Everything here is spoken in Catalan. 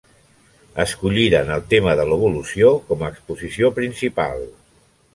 Escolliren el tema de l'evolució com a exposició principal.